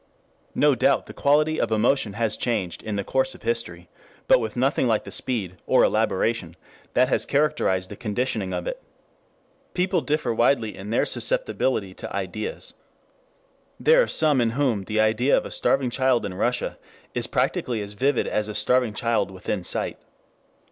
No doubt the quality of emotion has changed in the course of history, but with nothing like the speed, or elaboration, that has characterized the conditioning of it. People differ widely in their susceptibility to ideas. There are some in whom the idea of a starving child in Russia is practically as vivid as a starving child within sight.